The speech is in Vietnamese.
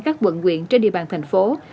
các quận huyện trên địa bàn tp hcm